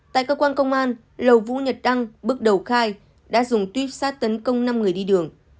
tại cơ quan công an lầu vũ nhật đăng bước đầu khai đã dùng tuyếp sát tấn công năm người đi đường